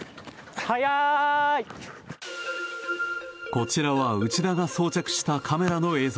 こちらは内田が装着したカメラの映像。